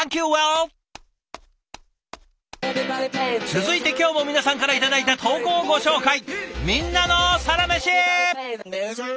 続いて今日も皆さんから頂いた投稿をご紹介。